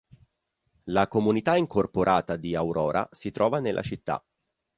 La comunità incorporata di Aurora si trova nella città.